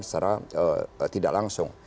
secara tidak langsung